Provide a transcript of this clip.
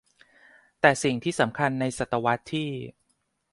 แต่สิ่งที่สำคัญในศตวรรษที่